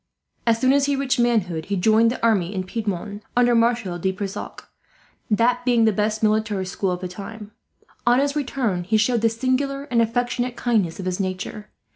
As soon as he reached manhood he joined the army in Piedmont, under Marshal de Brissac, that being the best military school of the time. "On his return he showed the singular and affectionate kindness of his nature.